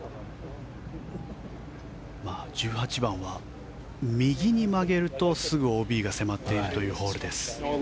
１８番は右に曲げるとすぐＯＢが迫っているというホールです。